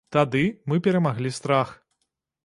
Тады мы перамаглі страх.